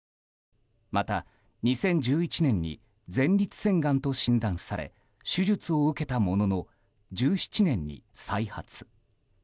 また２０１１年に前立腺がんと診断され手術を受けたものの１７年に再発。